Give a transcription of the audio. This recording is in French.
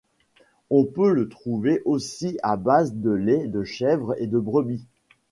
On peut le trouver aussi à base de lait de Chèvre et de Brebis.